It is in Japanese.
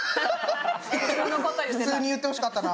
普通に言ってほしかったな。